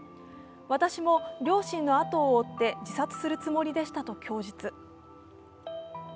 私も両親の後を追って、自殺するつもりでしたと供述。